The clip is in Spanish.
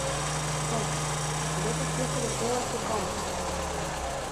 Johnson, piloto jefe de pruebas de Convair.